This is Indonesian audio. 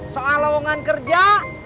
soal lowongan kerja